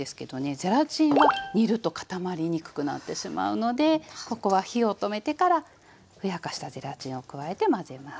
ゼラチンは煮ると固まりにくくなってしまうのでここは火を止めてからふやかしたゼラチンを加えて混ぜます。